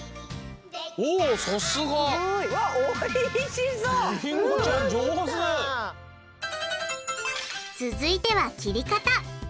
おさすが！続いては切り方！